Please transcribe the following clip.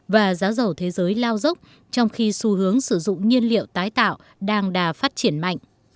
và giá dầu thế giới lao dốc trong khi xu hướng sử dụng nhiên liệu tái tạo đang đà phát triển mạnh